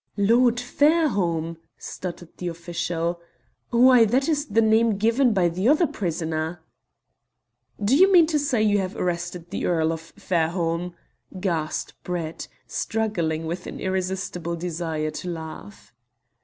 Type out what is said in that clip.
"Lord Fairholme!" stuttered the official. "Why, that is the name given by the other prisoner." "Do you mean to say you have arrested the Earl of Fairholme?" gasped Brett, struggling with an irresistible desire to laugh.